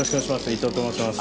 伊藤と申します。